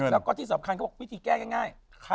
และก็ที่สำคัญพิธีแก้ง่าย